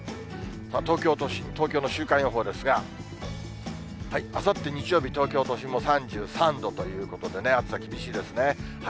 東京都心、東京の週間予報ですが、あさって日曜日、東京都心も３３度ということでね、暑さ厳しいですね。